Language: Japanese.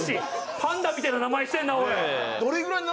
パンダみたいな名前してんな。